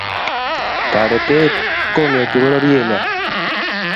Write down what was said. Toretet kongeti bororiet nyo